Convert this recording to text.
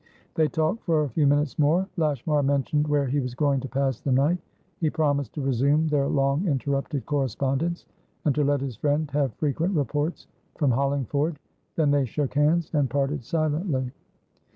They talked for a few minutes more. Lashmar mentioned where he was going to pass the night. He promised to resume their long interrupted correspondence, and to let his friend have frequent reports from Hollingford. Then they shook hands, and parted silently.